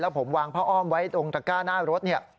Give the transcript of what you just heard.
ผมวางผ้าอ้อมไว้ตรงตระก้าหน้ารถเนี่ย